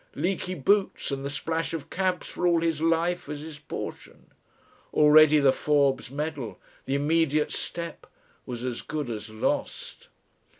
Leaky boots and the splash of cabs for all his life as his portion! Already the Forbes Medal, the immediate step, was as good as lost....